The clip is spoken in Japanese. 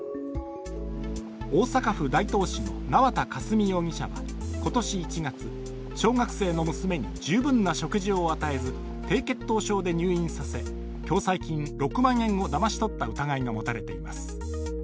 大阪府大東市の縄田佳純容疑者は今年１月、小学生の娘に十分な食事を与えず低血糖症で入院させ共済金６万円をだまし取った疑いが持たれています。